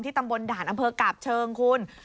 ตำบลด่านอำเภอกาบเชิงคุณ